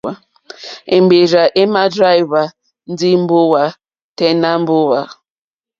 Èmbèrzà èmà dráíhwá ndí mbówà tɛ́ nà mbówà.